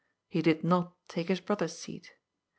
He did not take his brother's seat.